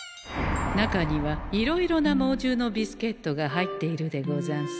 中にはいろいろな猛獣のビスケットが入っているでござんす。